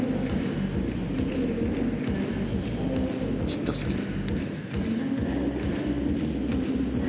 シットスピン。